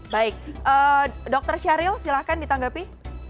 baik dokter syaril silakan ditanggapi